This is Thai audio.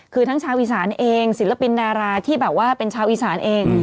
คือทั้งชาวอีสานเองศิลปินดาราที่แบบว่าเป็นชาวอีสานเอง